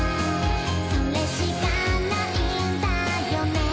「それしかないんだよね」